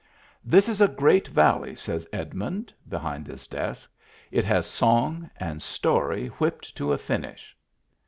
" This is a great valley," says Edmund, behind his desk. " It has song and story whipped to a finish."